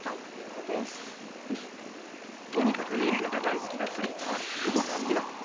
とにかく映画が大好きなフリーター、久保田ミワ。